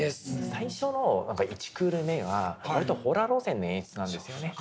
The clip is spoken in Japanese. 最初の１クール目は割とホラー路線の演出なんですよね。